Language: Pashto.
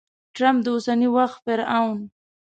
ټرمپ د اوسني وخت فرعون!